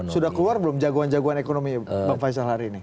sudah keluar belum jagoan jagoan ekonomi bang faisal hari ini